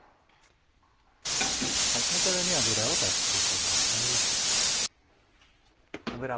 さらに油を足してください。